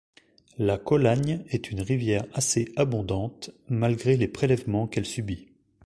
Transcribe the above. La Colagne est une rivière assez abondante, malgré les prélèvements qu'elle subit.